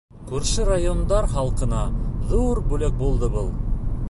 Күрше райондар халҡына ҙур бүләк булды был.